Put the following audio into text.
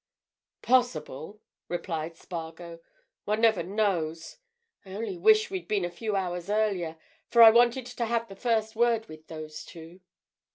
"Possible," replied Spargo. "One never knows. I only wish we'd been a few hours earlier. For I wanted to have the first word with those two."